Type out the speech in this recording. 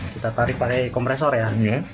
kita tarik pakai kompresor ya